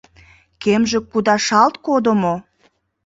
Кемже кудашалт кодо мо?